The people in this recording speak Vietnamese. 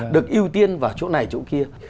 được ưu tiên vào chỗ này chỗ kia